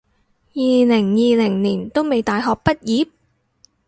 二零二零年都未大學畢業？